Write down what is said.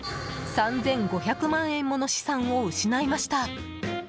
３５００万円もの資産を失いました。